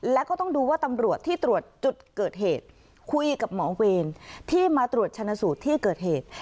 แล้วก็ต้องดูว่าตำรวจที่ตรวจจุดเกิดเหตุคุยกับหมอเวรที่มาตรวจชนะสูตรที่เกิดเหตุ